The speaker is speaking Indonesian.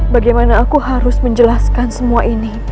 bagaimana aku harus menjelaskan semua ini